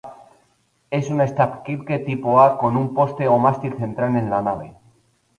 Es una stavkirke "Tipo A", con un poste o mástil central en la nave.